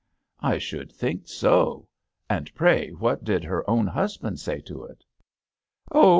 " I should think so. And pray, what did her own husband say to it?" " Oh